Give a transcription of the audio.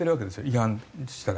違反したら。